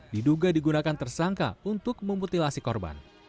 diduga digunakan tersangka untuk memutilasi korban